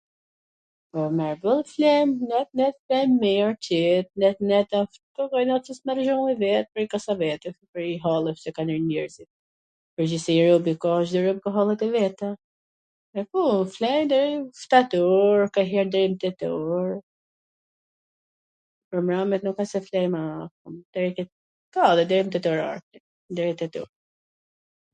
Po mirboll fle, net net fle mir, qet, net net asht,,,, po ka net qw s tw merr gjumi vet, kasavetit, prej hallesh qw kalojn njerzit, n pwrgjithsi robi ka, Cdo rob ka hallet e veta. E, po, fle deri n shtat oor, kanjher deri nw tet oor, pwr mramje ra nuk asht se flej ... deri tet... ka edhe deri nw tet orar, deri tet or...